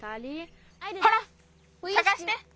ほらさがして！